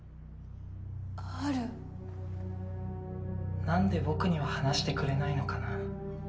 アル何で僕には話してくれないのかな？